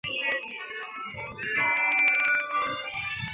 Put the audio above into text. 川崎新町站的铁路车站。